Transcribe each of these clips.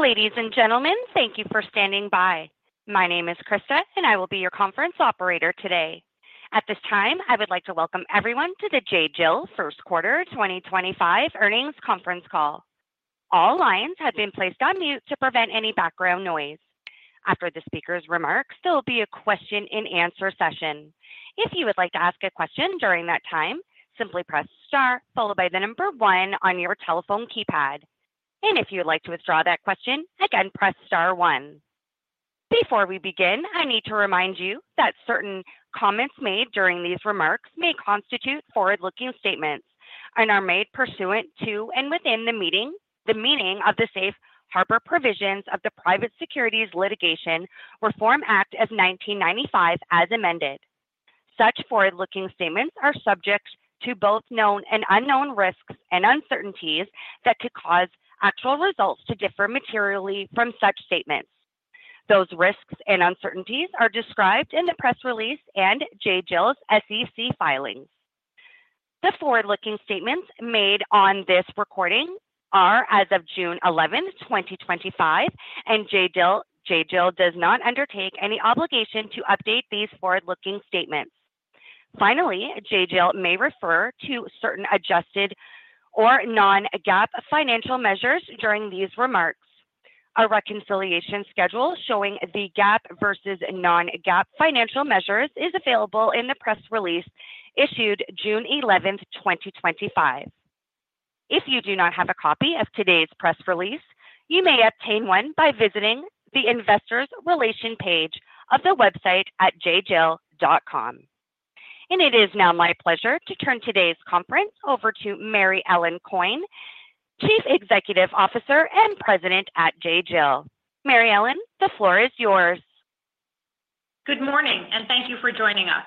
Ladies and gentlemen, thank you for standing by. My name is Krista, and I will be your conference operator today. At this time, I would like to welcome everyone to the J.Jill First Quarter 2025 Earnings Conference Call. All lines have been placed on mute to prevent any background noise. After the speaker's remarks, there will be a question-and-answer session. If you would like to ask a question during that time, simply press * followed by the number one on your telephone keypad. If you would like to withdraw that question, again, press star one. Before we begin, I need to remind you that certain comments made during these remarks may constitute forward-looking statements and are made pursuant to and within the meaning of the Safe Harbor Provisions of the Private Securities Litigation Reform Act of 1995 as amended. Such forward-looking statements are subject to both known and unknown risks and uncertainties that could cause actual results to differ materially from such statements. Those risks and uncertainties are described in the press release and J.Jill's SEC filings. The forward-looking statements made on this recording are as of June 11, 2025, and J.Jill does not undertake any obligation to update these forward-looking statements. Finally, J.Jill may refer to certain adjusted or non-GAAP financial measures during these remarks. A reconciliation schedule showing the GAAP versus non-GAAP financial measures is available in the press release issued June 11, 2025. If you do not have a copy of today's press release, you may obtain one by visiting the Investors Relation page of the website at jjill.com. It is now my pleasure to turn today's conference over to Mary Ellen Coyne, Chief Executive Officer and President at J.Jill. Mary Ellen, the floor is yours. Good morning, and thank you for joining us.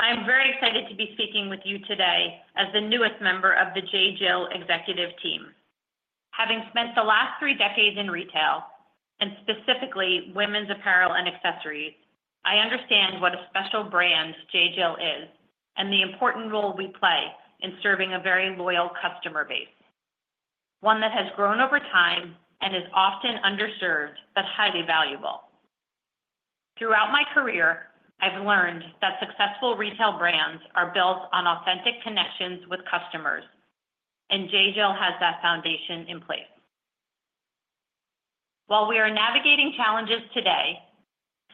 I'm very excited to be speaking with you today as the newest member of the J.Jill executive team. Having spent the last three decades in retail, and specifically women's apparel and accessories, I understand what a special brand J.Jill is and the important role we play in serving a very loyal customer base, one that has grown over time and is often underserved but highly valuable. Throughout my career, I've learned that successful retail brands are built on authentic connections with customers, and J.Jill has that foundation in place. While we are navigating challenges today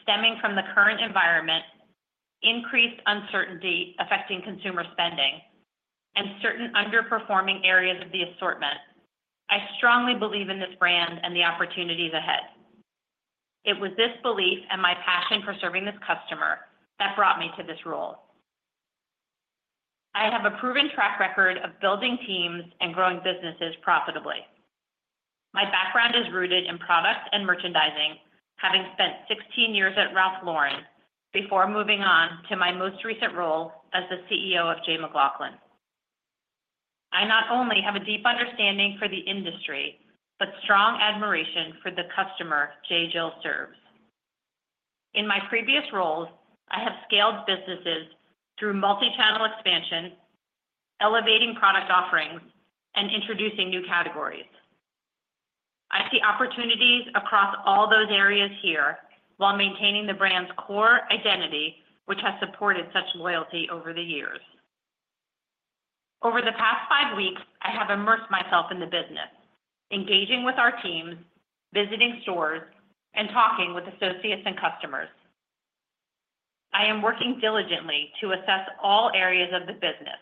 stemming from the current environment, increased uncertainty affecting consumer spending, and certain underperforming areas of the assortment, I strongly believe in this brand and the opportunities ahead. It was this belief and my passion for serving this customer that brought me to this role. I have a proven track record of building teams and growing businesses profitably. My background is rooted in product and merchandising, having spent 16 years at Ralph Lauren before moving on to my most recent role as the CEO of J.McLaughlin. I not only have a deep understanding for the industry but strong admiration for the customer J.Jill serves. In my previous roles, I have scaled businesses through multi-channel expansion, elevating product offerings, and introducing new categories. I see opportunities across all those areas here while maintaining the brand's core identity, which has supported such loyalty over the years. Over the past five weeks, I have immersed myself in the business, engaging with our teams, visiting stores, and talking with associates and customers. I am working diligently to assess all areas of the business,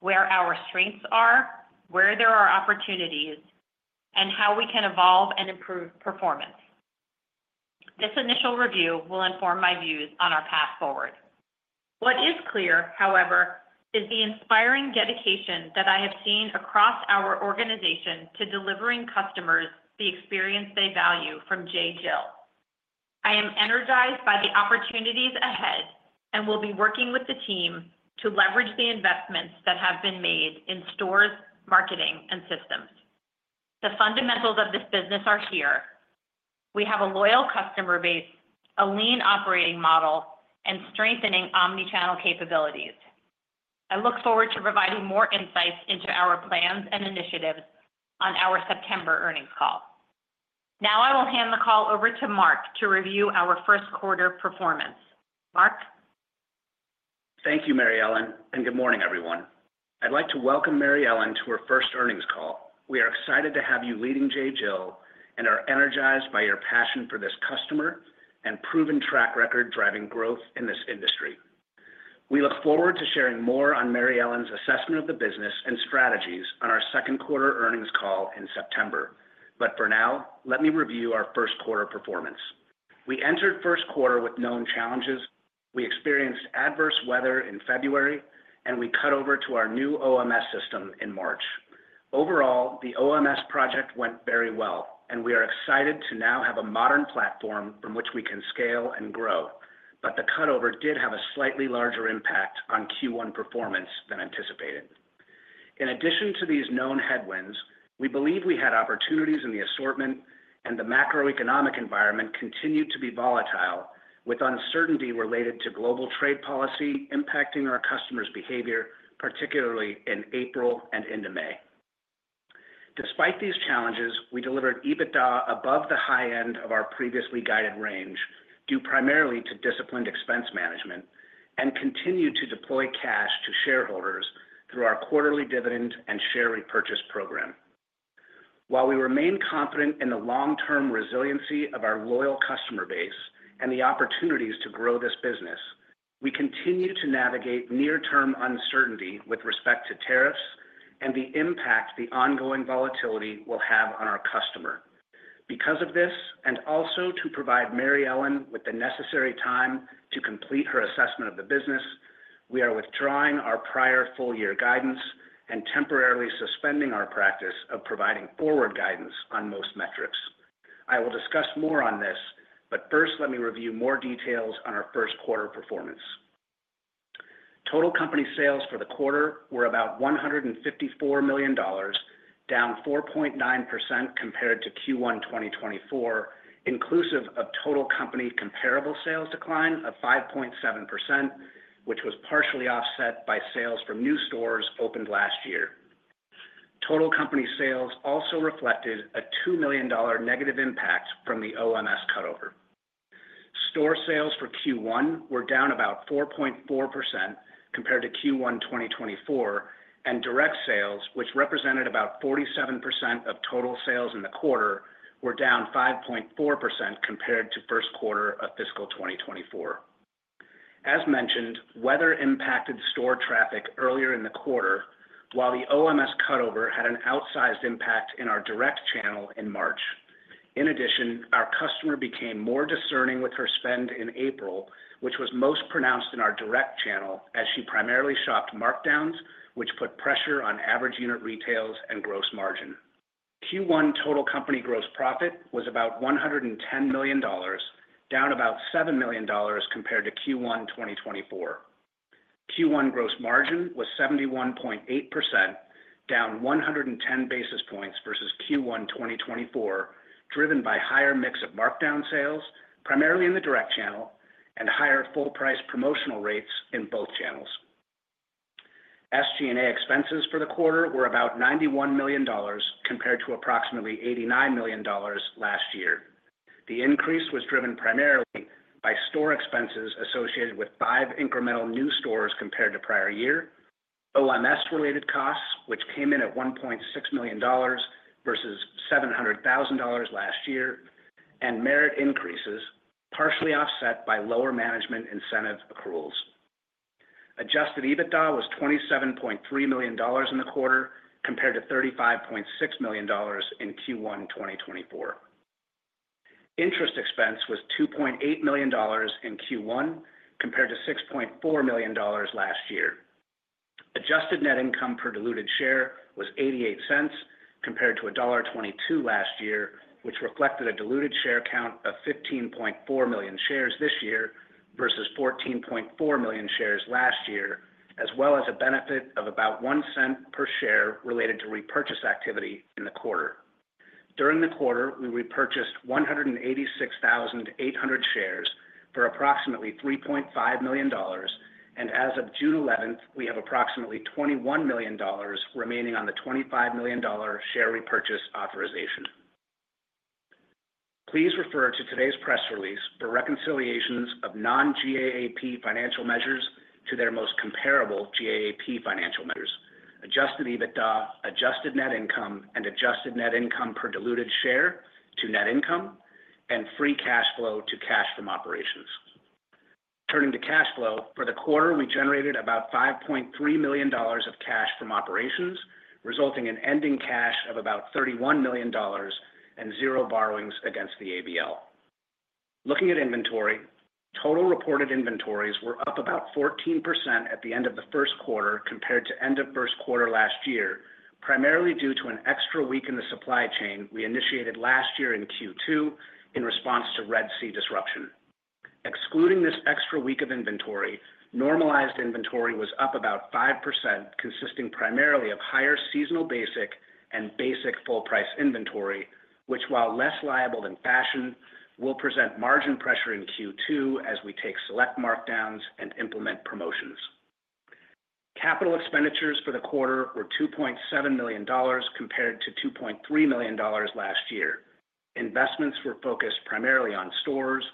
where our strengths are, where there are opportunities, and how we can evolve and improve performance. This initial review will inform my views on our path forward. What is clear, however, is the inspiring dedication that I have seen across our organization to delivering customers the experience they value from J.Jill. I am energized by the opportunities ahead and will be working with the team to leverage the investments that have been made in stores, marketing, and systems. The fundamentals of this business are here. We have a loyal customer base, a lean operating model, and strengthening omnichannel capabilities. I look forward to providing more insights into our plans and initiatives on our September earnings call. Now I will hand the call over to Mark to review our first quarter performance. Mark. Thank you, Mary Ellen, and good morning, everyone. I'd like to welcome Mary Ellen to her first earnings call. We are excited to have you leading J.Jill and are energized by your passion for this customer and proven track record driving growth in this industry. We look forward to sharing more on Mary Ellen's assessment of the business and strategies on our second quarter earnings call in September. For now, let me review our first quarter performance. We entered first quarter with known challenges. We experienced adverse weather in February, and we cut over to our new OMS system in March. Overall, the OMS project went very well, and we are excited to now have a modern platform from which we can scale and grow. The cutover did have a slightly larger impact on Q1 performance than anticipated. In addition to these known headwinds, we believe we had opportunities in the assortment, and the macroeconomic environment continued to be volatile with uncertainty related to global trade policy impacting our customers' behavior, particularly in April and into May. Despite these challenges, we delivered EBITDA above the high end of our previously guided range due primarily to disciplined expense management and continued to deploy cash to shareholders through our quarterly dividend and share repurchase program. While we remain confident in the long-term resiliency of our loyal customer base and the opportunities to grow this business, we continue to navigate near-term uncertainty with respect to tariffs and the impact the ongoing volatility will have on our customer. Because of this, and also to provide Mary Ellen with the necessary time to complete her assessment of the business, we are withdrawing our prior full-year guidance and temporarily suspending our practice of providing forward guidance on most metrics. I will discuss more on this, but first, let me review more details on our first quarter performance. Total company sales for the quarter were about $154 million, down 4.9% compared to Q1 2024, inclusive of total company comparable sales decline of 5.7%, which was partially offset by sales from new stores opened last year. Total company sales also reflected a $2 million negative impact from the OMS cutover. Store sales for Q1 were down about 4.4% compared to Q1 2024, and direct sales, which represented about 47% of total sales in the quarter, were down 5.4% compared to first quarter of fiscal 2024. As mentioned, weather impacted store traffic earlier in the quarter, while the OMS cutover had an outsized impact in our direct channel in March. In addition, our customer became more discerning with her spend in April, which was most pronounced in our direct channel as she primarily shopped markdowns, which put pressure on average unit retails and gross margin. Q1 total company gross profit was about $110 million, down about $7 million compared to Q1 2023. Q1 gross margin was 71.8%, down 110 basis points versus Q1 2023, driven by higher mix of markdown sales, primarily in the direct channel, and higher full-price promotional rates in both channels. SG&A expenses for the quarter were about $91 million compared to approximately $89 million last year. The increase was driven primarily by store expenses associated with five incremental new stores compared to prior year, OMS-related costs, which came in at $1.6 million versus $700,000 last year, and merit increases, partially offset by lower management incentive accruals. Adjusted EBITDA was $27.3 million in the quarter compared to $35.6 million in Q1 2023. Interest expense was $2.8 million in Q1 compared to $6.4 million last year. Adjusted net income per diluted share was $0.88 compared to $1.22 last year, which reflected a diluted share count of 15.4 million shares this year versus 14.4 million shares last year, as well as a benefit of about $0.01 per share related to repurchase activity in the quarter. During the quarter, we repurchased 186,800 shares for approximately $3.5 million, and as of June 11, we have approximately $21 million remaining on the $25 million share repurchase authorization. Please refer to today's press release for reconciliations of non-GAAP financial measures to their most comparable GAAP financial measures: adjusted EBITDA, adjusted net income, and adjusted net income per diluted share to net income and free cash flow to cash from operations. Turning to cash flow, for the quarter, we generated about $5.3 million of cash from operations, resulting in ending cash of about $31 million and zero borrowings against the ABL. Looking at inventory, total reported inventories were up about 14% at the end of the first quarter compared to the end of first quarter last year, primarily due to an extra week in the supply chain we initiated last year in Q2 in response to Red Sea disruption. Excluding this extra week of inventory, normalized inventory was up about 5%, consisting primarily of higher seasonal basic and basic full-price inventory, which, while less liable than fashion, will present margin pressure in Q2 as we take select markdowns and implement promotions. Capital expenditures for the quarter were $2.7 million compared to $2.3 million last year. Investments were focused primarily on stores,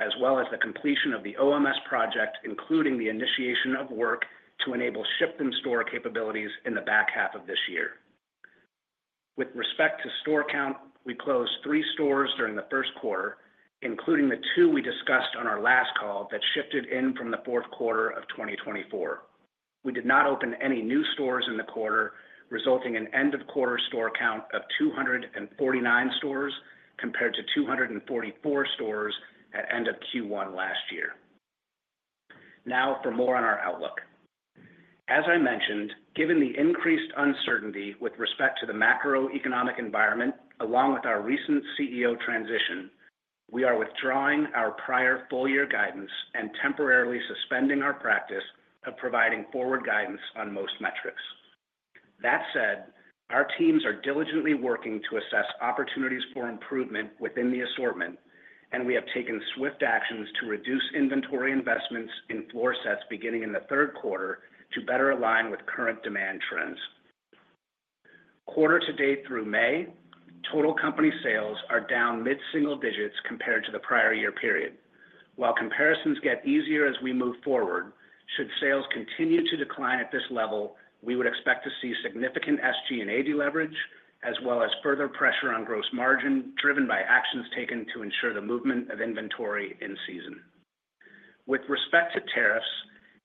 as well as the completion of the OMS project, including the initiation of work to enable ship-from-store capabilities in the back half of this year. With respect to store count, we closed three stores during the first quarter, including the two we discussed on our last call that shifted in from the fourth quarter of 2024. We did not open any new stores in the quarter, resulting in end-of-quarter store count of 249 stores compared to 244 stores at end of Q1 last year. Now for more on our outlook. As I mentioned, given the increased uncertainty with respect to the macroeconomic environment, along with our recent CEO transition, we are withdrawing our prior full-year guidance and temporarily suspending our practice of providing forward guidance on most metrics. That said, our teams are diligently working to assess opportunities for improvement within the assortment, and we have taken swift actions to reduce inventory investments in floor sets beginning in the third quarter to better align with current demand trends. Quarter to date through May, total company sales are down mid-single digits compared to the prior year period. While comparisons get easier as we move forward, should sales continue to decline at this level, we would expect to see significant SG&A deleverage, as well as further pressure on gross margin driven by actions taken to ensure the movement of inventory in season. With respect to tariffs,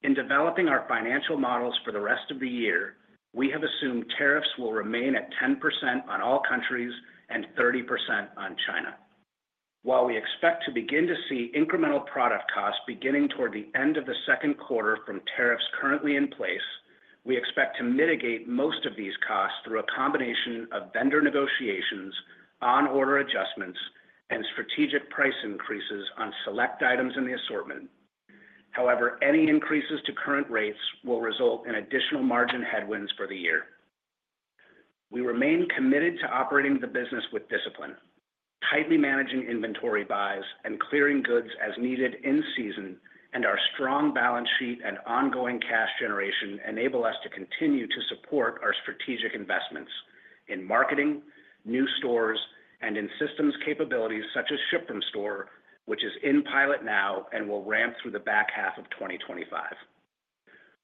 in developing our financial models for the rest of the year, we have assumed tariffs will remain at 10% on all countries and 30% on China. While we expect to begin to see incremental product costs beginning toward the end of the second quarter from tariffs currently in place, we expect to mitigate most of these costs through a combination of vendor negotiations, on-order adjustments, and strategic price increases on select items in the assortment. However, any increases to current rates will result in additional margin headwinds for the year. We remain committed to operating the business with discipline, tightly managing inventory buys, and clearing goods as needed in season, and our strong balance sheet and ongoing cash generation enable us to continue to support our strategic investments in marketing, new stores, and in systems capabilities such as ship-from-store, which is in pilot now and will ramp through the back half of 2025.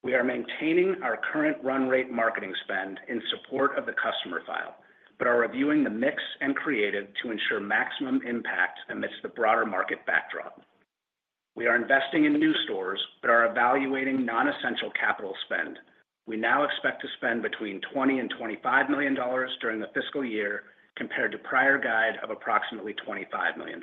We are maintaining our current run rate marketing spend in support of the customer file, but are reviewing the mix and creative to ensure maximum impact amidst the broader market backdrop. We are investing in new stores but are evaluating non-essential capital spend. We now expect to spend between $20 million and $25 million during the fiscal year compared to prior guide of approximately $25 million.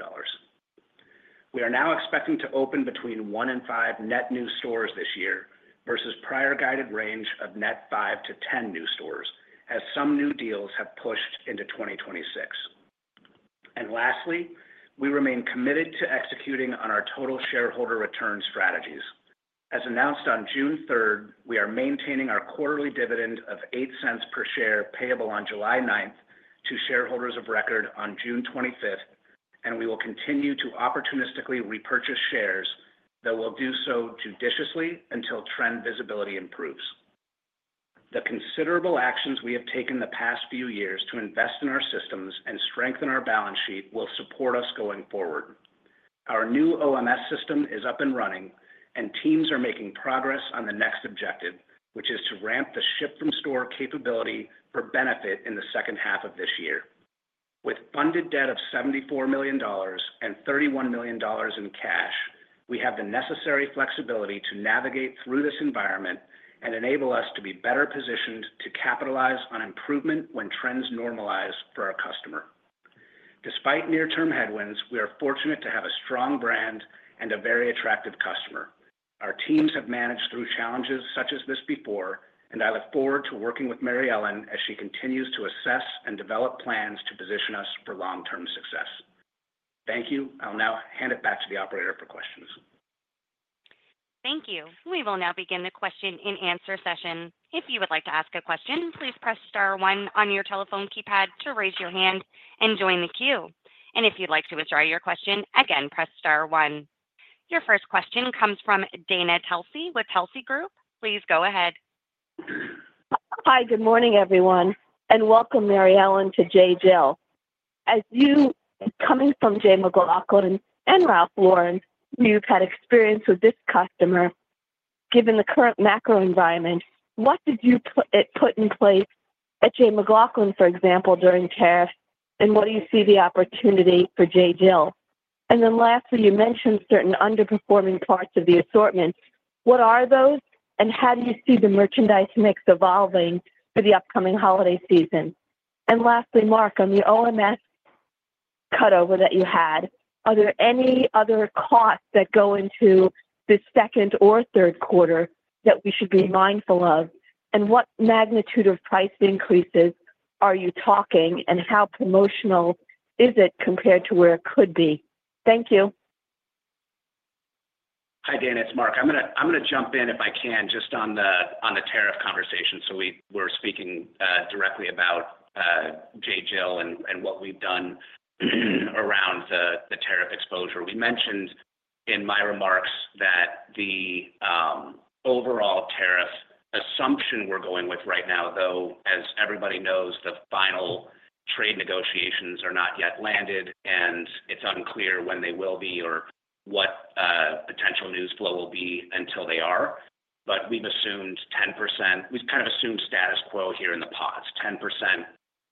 We are now expecting to open between one and five net new stores this year versus prior guided range of net 5-10 new stores, as some new deals have pushed into 2026. Lastly, we remain committed to executing on our total shareholder return strategies. As announced on June 3, we are maintaining our quarterly dividend of $0.08 per share payable on July 9 to shareholders of record on June 25, and we will continue to opportunistically repurchase shares, though we will do so judiciously until trend visibility improves. The considerable actions we have taken the past few years to invest in our systems and strengthen our balance sheet will support us going forward. Our new OMS is up and running, and teams are making progress on the next objective, which is to ramp the ship-from-store capability for benefit in the second half of this year. With funded debt of $74 million and $31 million in cash, we have the necessary flexibility to navigate through this environment and enable us to be better positioned to capitalize on improvement when trends normalize for our customer. Despite near-term headwinds, we are fortunate to have a strong brand and a very attractive customer. Our teams have managed through challenges such as this before, and I look forward to working with Mary Ellen as she continues to assess and develop plans to position us for long-term success. Thank you. I'll now hand it back to the operator for questions. Thank you. We will now begin the question and answer session. If you would like to ask a question, please press *1 on your telephone keypad to raise your hand and join the queue. If you'd like to withdraw your question, again, press *1. Your first question comes from Dana Telsey with Telsey Group. Please go ahead. Hi, good morning, everyone, and welcome, Mary Ellen, to J.Jill. As you coming from J.McLaughlin and Ralph Lauren, you've had experience with this customer. Given the current macro environment, what did you put in place at J.McLaughlin, for example, during tariffs, and what do you see the opportunity for J.Jill? You mentioned certain underperforming parts of the assortment. What are those, and how do you see the merchandise mix evolving for the upcoming holiday season? Mark, on the OMS cutover that you had, are there any other costs that go into the second or third quarter that we should be mindful of? What magnitude of price increases are you talking, and how promotional is it compared to where it could be? Thank you. Hi, Dana. It's Mark. I'm going to jump in if I can just on the tariff conversation. We're speaking directly about J.Jill and what we've done around the tariff exposure. We mentioned in my remarks that the overall tariff assumption we're going with right now, though, as everybody knows, the final trade negotiations are not yet landed, and it's unclear when they will be or what potential news flow will be until they are. We've assumed 10%. We've kind of assumed status quo here in the pods: 10%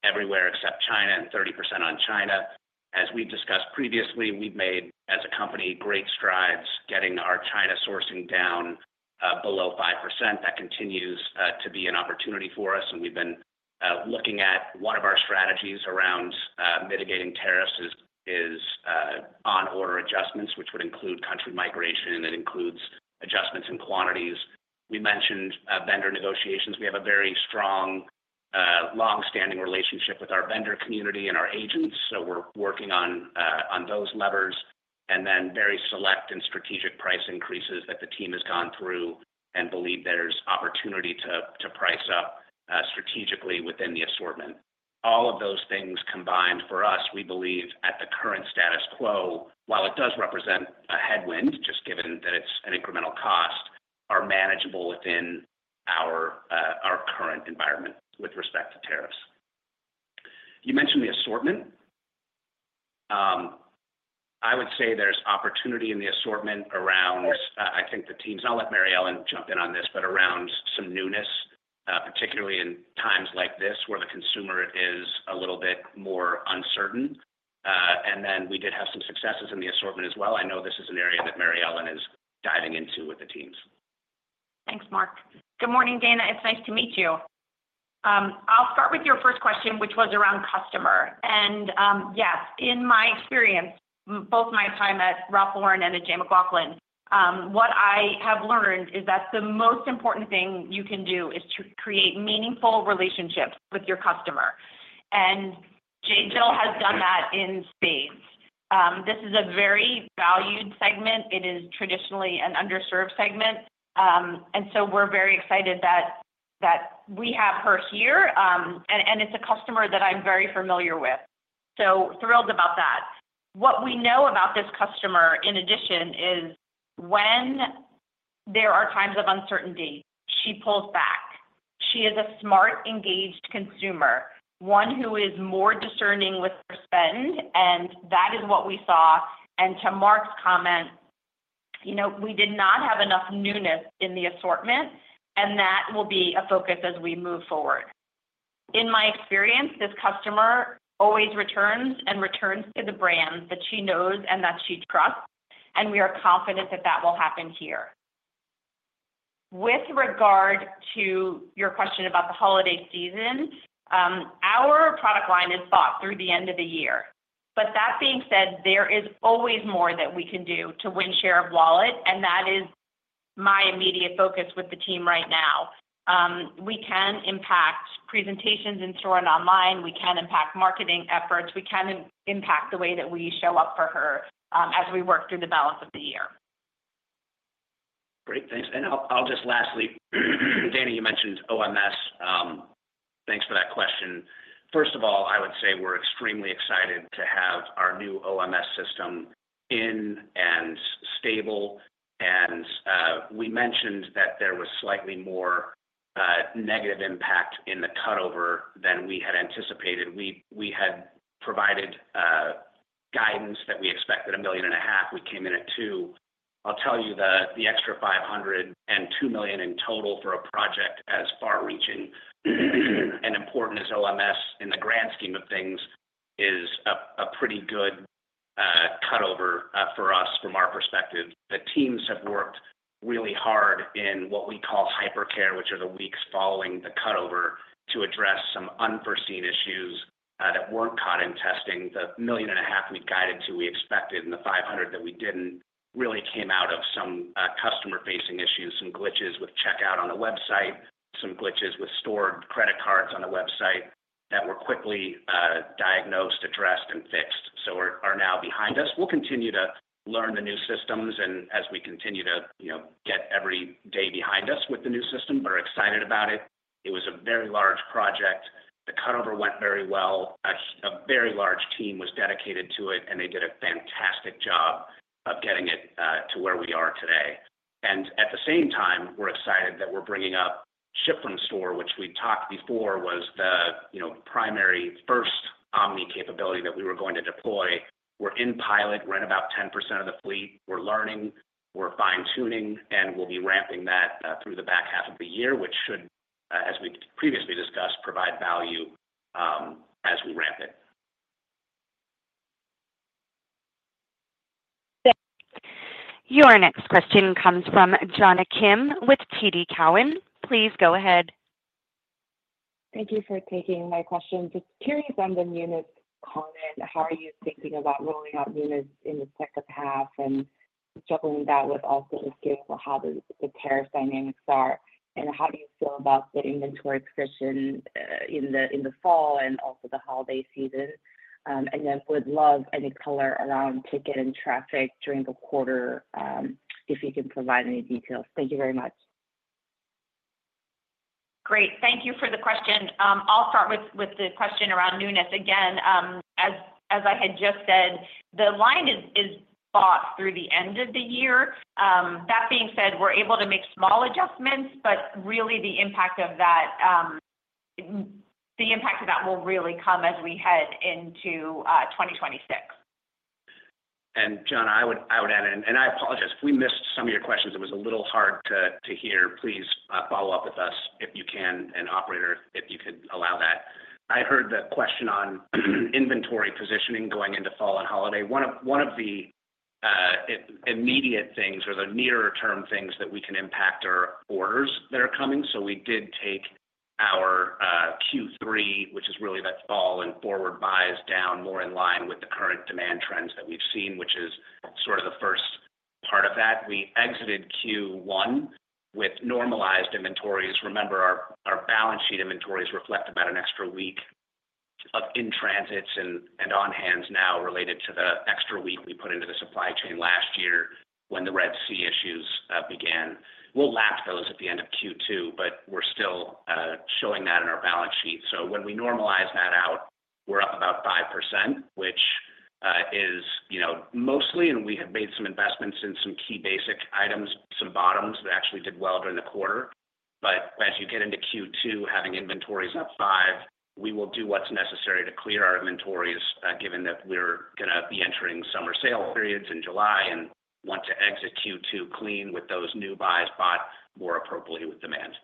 everywhere except China and 30% on China. As we've discussed previously, we've made, as a company, great strides getting our China sourcing down below 5%. That continues to be an opportunity for us, and we've been looking at one of our strategies around mitigating tariffs is on-order adjustments, which would include country migration, and it includes adjustments in quantities. We mentioned vendor negotiations. We have a very strong, long-standing relationship with our vendor community and our agents, so we're working on those levers, and then very select and strategic price increases that the team has gone through and believe there's opportunity to price up strategically within the assortment. All of those things combined, for us, we believe at the current status quo, while it does represent a headwind, just given that it's an incremental cost, are manageable within our current environment with respect to tariffs. You mentioned the assortment. I would say there's opportunity in the assortment around, I think, the teams. I will let Mary Ellen jump in on this, but around some newness, particularly in times like this where the consumer is a little bit more uncertain. We did have some successes in the assortment as well. I know this is an area that Mary Ellen is diving into with the teams. Thanks, Mark. Good morning, Dana. It's nice to meet you. I'll start with your first question, which was around customer. Yes, in my experience, both my time at Ralph Lauren and at J.McLaughlin, what I have learned is that the most important thing you can do is to create meaningful relationships with your customer. J.Jill has done that in spades. This is a very valued segment. It is traditionally an underserved segment. We are very excited that we have her here, and it's a customer that I'm very familiar with. Thrilled about that. What we know about this customer, in addition, is when there are times of uncertainty, she pulls back. She is a smart, engaged consumer, one who is more discerning with her spend, and that is what we saw. To Mark's comment, we did not have enough newness in the assortment, and that will be a focus as we move forward. In my experience, this customer always returns and returns to the brand that she knows and that she trusts, and we are confident that that will happen here. With regard to your question about the holiday season, our product line is bought through the end of the year. That being said, there is always more that we can do to win share of wallet, and that is my immediate focus with the team right now. We can impact presentations in store and online. We can impact marketing efforts. We can impact the way that we show up for her as we work through the balance of the year. Great. Thanks. I'll just lastly, Dana, you mentioned OMS. Thanks for that question. First of all, I would say we're extremely excited to have our new OMS system in and stable. We mentioned that there was slightly more negative impact in the cutover than we had anticipated. We had provided guidance that we expected $1.5 million. We came in at $2 million. I'll tell you the extra $500,000 and $2 million in total for a project as far-reaching and important as OMS in the grand scheme of things is a pretty good cutover for us from our perspective. The teams have worked really hard in what we call hypercare, which are the weeks following the cutover to address some unforeseen issues that weren't caught in testing. The million and a half we guided to, we expected, and the 500 that we did not really came out of some customer-facing issues, some glitches with checkout on the website, some glitches with stored credit cards on the website that were quickly diagnosed, addressed, and fixed, so are now behind us. We will continue to learn the new systems, and as we continue to get every day behind us with the new system, we are excited about it. It was a very large project. The cutover went very well. A very large team was dedicated to it, and they did a fantastic job of getting it to where we are today. At the same time, we are excited that we are bringing up ship-from-store, which we talked before was the primary first omni capability that we were going to deploy. We are in pilot. We are in about 10% of the fleet. We are learning. We're fine-tuning, and we'll be ramping that through the back half of the year, which should, as we previously discussed, provide value as we ramp it. Your next question comes from Jonna Kim with TD Cowen. Please go ahead. Thank you for taking my question. Just curious on the newness comment. How are you thinking about rolling out newness in the second half and juggling that with also looking at how the tariff dynamics are? How do you feel about the inventory position in the fall and also the holiday season? Would love any color around ticket and traffic during the quarter if you can provide any details. Thank you very much. Great. Thank you for the question. I'll start with the question around newness. Again, as I had just said, the line is bought through the end of the year. That being said, we're able to make small adjustments, but really the impact of that will really come as we head into 2026. Jonna, I would add in, and I apologize. We missed some of your questions. It was a little hard to hear. Please follow up with us if you can, and operator, if you could allow that. I heard the question on inventory positioning going into fall and holiday. One of the immediate things or the nearer-term things that we can impact are orders that are coming. We did take our Q3, which is really that fall and forward buys down, more in line with the current demand trends that we've seen, which is sort of the first part of that. We exited Q1 with normalized inventories. Remember, our balance sheet inventories reflect about an extra week of in transits and on hands now related to the extra week we put into the supply chain last year when the Red Sea issues began. We will lapse those at the end of Q2, but we are still showing that in our balance sheet. When we normalize that out, we are up about 5%, which is mostly, and we have made some investments in some key basic items, some bottoms that actually did well during the quarter. As you get into Q2, having inventories up 5%, we will do what is necessary to clear our inventories given that we are going to be entering summer sale periods in July and want to exit Q2 clean with those new buys bought more appropriately with demand.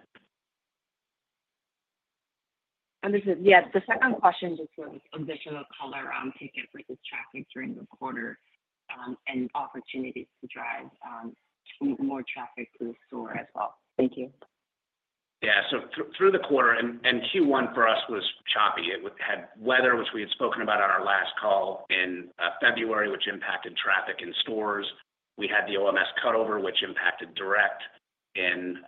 Yeah. The second question just was additional color on ticket versus traffic during the quarter and opportunities to drive more traffic to the store as well. Thank you. Yeah. Through the quarter, and Q1 for us was choppy. It had weather, which we had spoken about on our last call in February, which impacted traffic in stores. We had the OMS cutover, which impacted direct in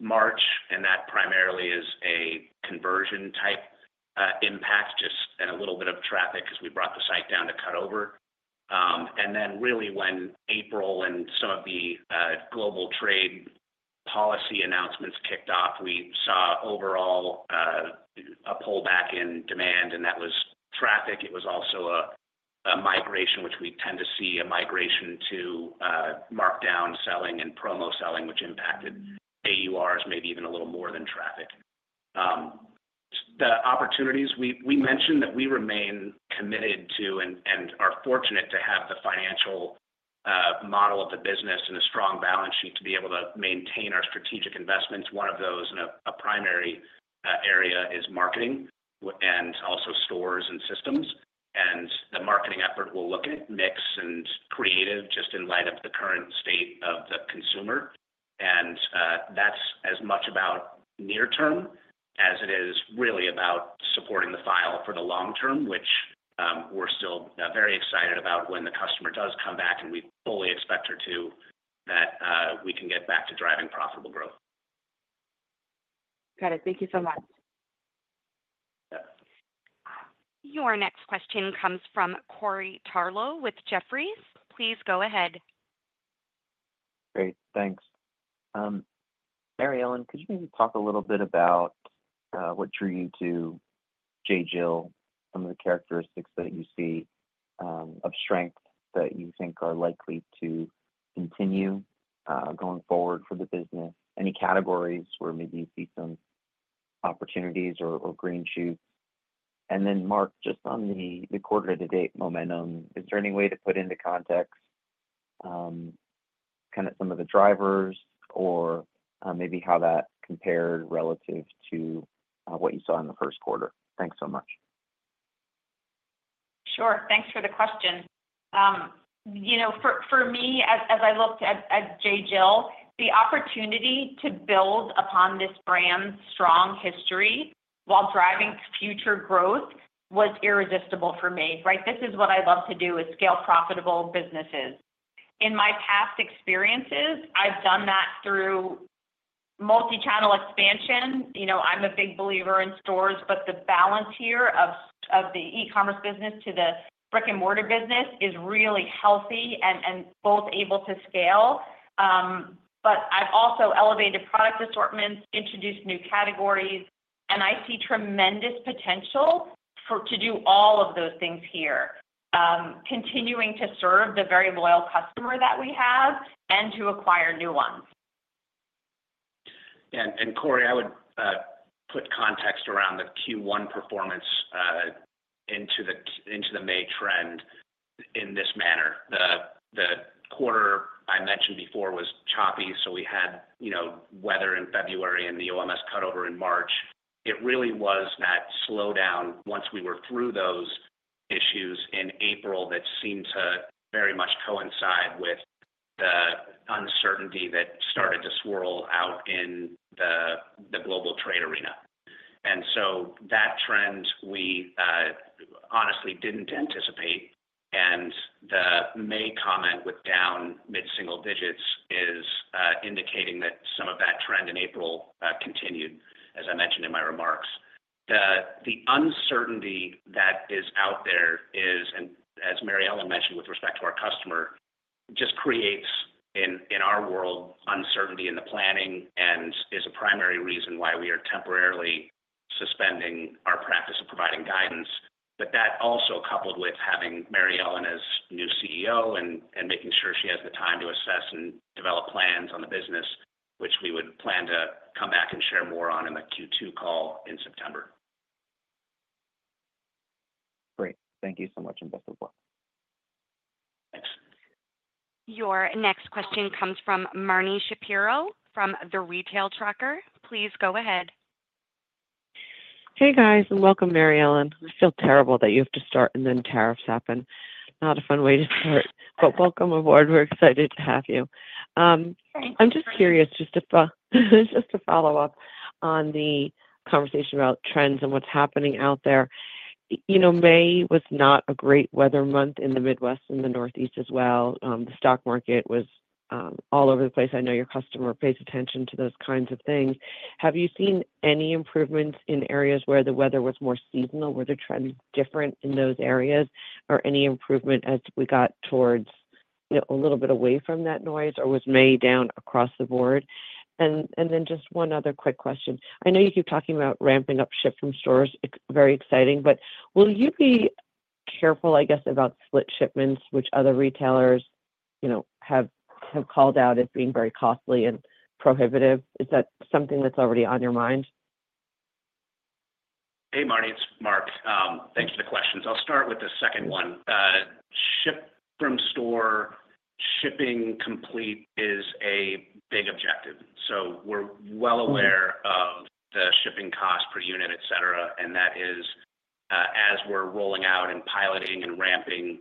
March, and that primarily is a conversion-type impact, just a little bit of traffic because we brought the site down to cut over. Really when April and some of the global trade policy announcements kicked off, we saw overall a pullback in demand, and that was traffic. It was also a migration, which we tend to see a migration to markdown selling and promo selling, which impacted AURs, maybe even a little more than traffic. The opportunities, we mentioned that we remain committed to and are fortunate to have the financial model of the business and a strong balance sheet to be able to maintain our strategic investments. One of those, and a primary area, is marketing and also stores and systems. The marketing effort will look at mix and creative just in light of the current state of the consumer. That is as much about near-term as it is really about supporting the file for the long term, which we are still very excited about when the customer does come back, and we fully expect her to, that we can get back to driving profitable growth. Got it. Thank you so much. Your next question comes from Corey Tarlowe with Jefferies. Please go ahead. Great. Thanks. Mary Ellen, could you maybe talk a little bit about what drew you to J.Jill, some of the characteristics that you see of strength that you think are likely to continue going forward for the business? Any categories where maybe you see some opportunities or green shoots? And then Mark, just on the quarter-to-date momentum, is there any way to put into context kind of some of the drivers or maybe how that compared relative to what you saw in the first quarter? Thanks so much. Sure. Thanks for the question. For me, as I looked at J.Jill, the opportunity to build upon this brand's strong history while driving future growth was irresistible for me. This is what I love to do is scale profitable businesses. In my past experiences, I've done that through multi-channel expansion. I'm a big believer in stores, but the balance here of the e-commerce business to the brick-and-mortar business is really healthy and both able to scale. I've also elevated product assortments, introduced new categories, and I see tremendous potential to do all of those things here, continuing to serve the very loyal customer that we have and to acquire new ones. Yeah. Corey, I would put context around the Q1 performance into the May trend in this manner. The quarter I mentioned before was choppy, so we had weather in February and the OMS cutover in March. It really was that slowdown once we were through those issues in April that seemed to very much coincide with the uncertainty that started to swirl out in the global trade arena. That trend we honestly did not anticipate. The May comment with down mid-single digits is indicating that some of that trend in April continued, as I mentioned in my remarks. The uncertainty that is out there is, and as Mary Ellen mentioned with respect to our customer, just creates in our world uncertainty in the planning and is a primary reason why we are temporarily suspending our practice of providing guidance. That also coupled with having Mary Ellen as new CEO and making sure she has the time to assess and develop plans on the business, which we would plan to come back and share more on in the Q2 call in September. Great. Thank you so much and best of luck. Thanks. Your next question comes from Marni Shapiro from The Retail Tracker. Please go ahead. Hey, guys. Welcome, Mary Ellen. I feel terrible that you have to start and then tariffs happen. Not a fun way to start, but welcome aboard. We're excited to have you. I'm just curious, just to follow up on the conversation about trends and what's happening out there. May was not a great weather month in the Midwest and the Northeast as well. The stock market was all over the place. I know your customer pays attention to those kinds of things. Have you seen any improvements in areas where the weather was more seasonal, where the trend was different in those areas, or any improvement as we got towards a little bit away from that noise, or was May down across the board? Just one other quick question. I know you keep talking about ramping up ship-from-store capabilities. It's very exciting, but will you be careful, I guess, about split shipments, which other retailers have called out as being very costly and prohibitive? Is that something that's already on your mind? Hey, Marni. It's Mark. Thanks for the questions. I'll start with the second one. Ship-from-store shipping complete is a big objective. We are well aware of the shipping cost per unit, etc., and that is, as we are rolling out and piloting and ramping,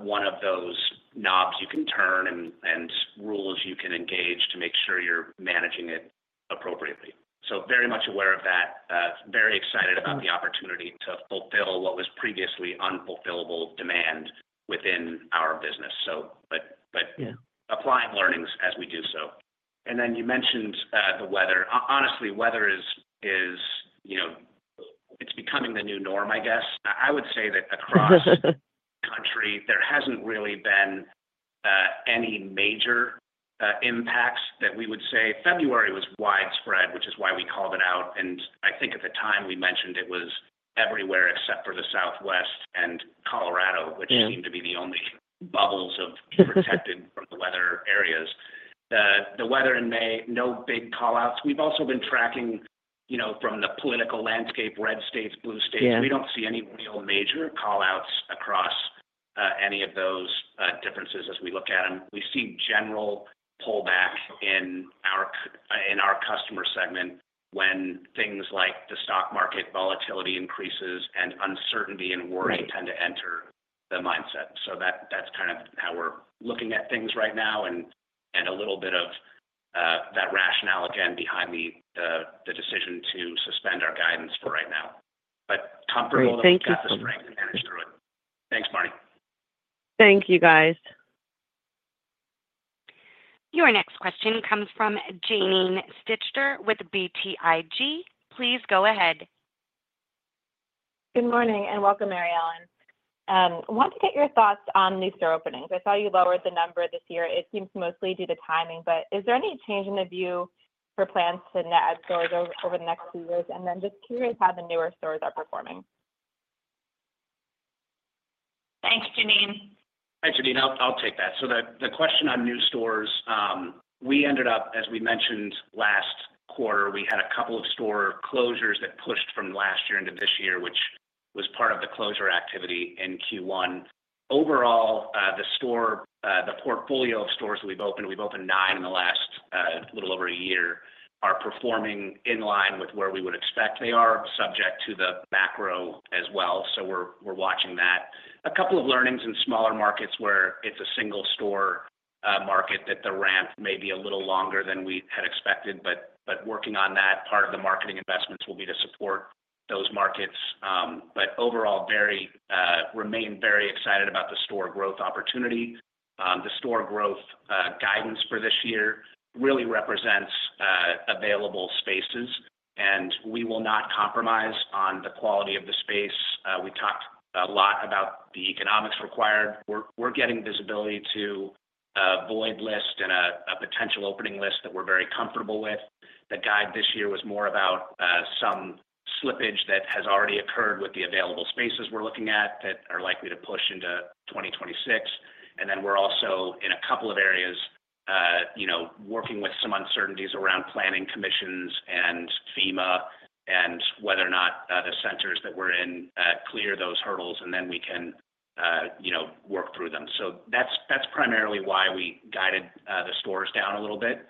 one of those knobs you can turn and rules you can engage to make sure you're managing it appropriately. Very much aware of that. Very excited about the opportunity to fulfill what was previously unfulfillable demand within our business. Applying learnings as we do so. You mentioned the weather. Honestly, weather, it's becoming the new norm, I guess. I would say that across the country, there has not really been any major impacts that we would say. February was widespread, which is why we called it out. I think at the time we mentioned it was everywhere except for the Southwest and Colorado, which seemed to be the only bubbles protected from the weather areas. The weather in May, no big callouts. We've also been tracking from the political landscape, red states, blue states. We don't see any real major callouts across any of those differences as we look at them. We see general pullback in our customer segment when things like the stock market volatility increases and uncertainty and worry tend to enter the mindset. That's kind of how we're looking at things right now and a little bit of that rationale again behind the decision to suspend our guidance for right now. Comfortable that we've got the strength to manage through it. Thanks, Marni. Thank you, guys. Your next question comes from Janine Stichter with BTIG. Please go ahead. Good morning and welcome, Mary Ellen. I want to get your thoughts on new store openings. I saw you lowered the number this year. It seems mostly due to timing, but is there any change in the view for plans to net add stores over the next few years? Just curious how the newer stores are performing. Thanks, Janine. Thanks, Janine. I'll take that. The question on new stores, we ended up, as we mentioned last quarter, we had a couple of store closures that pushed from last year into this year, which was part of the closure activity in Q1. Overall, the portfolio of stores that we've opened, we've opened nine in the last little over a year, are performing in line with where we would expect. They are subject to the macro as well, so we're watching that. A couple of learnings in smaller markets where it's a single store market that the ramp may be a little longer than we had expected, but working on that. Part of the marketing investments will be to support those markets. Overall, remain very excited about the store growth opportunity. The store growth guidance for this year really represents available spaces, and we will not compromise on the quality of the space. We talked a lot about the economics required. We're getting visibility to a void list and a potential opening list that we're very comfortable with. The guide this year was more about some slippage that has already occurred with the available spaces we're looking at that are likely to push into 2026. We are also in a couple of areas working with some uncertainties around planning commissions and FEMA and whether or not the centers that we are in clear those hurdles, and then we can work through them. That is primarily why we guided the stores down a little bit.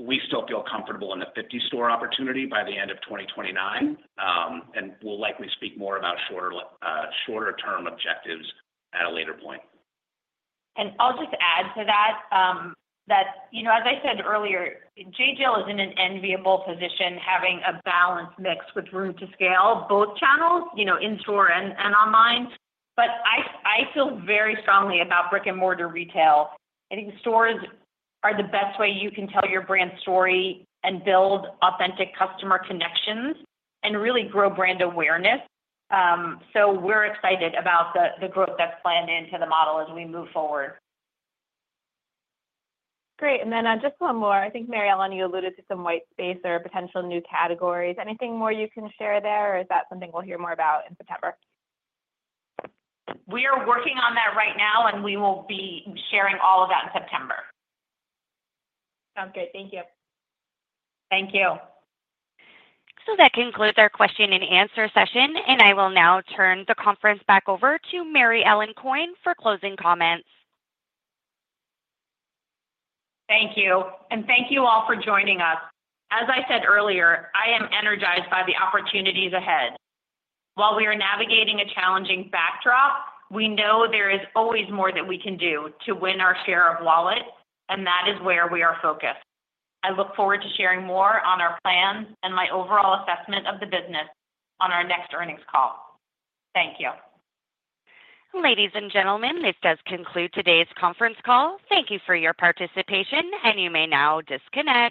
We still feel comfortable in the 50-store opportunity by the end of 2029, and we will likely speak more about shorter-term objectives at a later point. I will just add to that, as I said earlier, J.Jill is in an enviable position having a balanced mix with room to scale both channels in store and online. I feel very strongly about brick-and-mortar retail. I think stores are the best way you can tell your brand story and build authentic customer connections and really grow brand awareness. We are excited about the growth that is planned into the model as we move forward. Great. And then just one more. I think, Mary Ellen, you alluded to some white space or potential new categories. Anything more you can share there, or is that something we will hear more about in September? We are working on that right now, and we will be sharing all of that in September. Sounds good. Thank you. Thank you. That concludes our question-and-answer session, and I will now turn the conference back over to Mary Ellen Coyne for closing comments. Thank you. And thank you all for joining us. As I said earlier, I am energized by the opportunities ahead. While we are navigating a challenging backdrop, we know there is always more that we can do to win our share of wallet, and that is where we are focused. I look forward to sharing more on our plans and my overall assessment of the business on our next earnings call. Thank you. Ladies and gentlemen, this does conclude today's conference call. Thank you for your participation, and you may now disconnect.